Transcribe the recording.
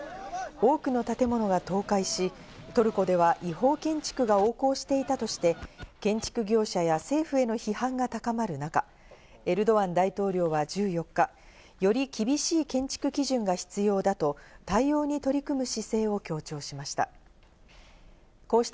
多くの建物が倒壊し、トルコでは違法建築が横行していたとして、建築業者や政府への批判が高まる中、エルドアン大統領は１４日、より厳しい建築基準が必要だと対応に取り組む姿勢を強調しました。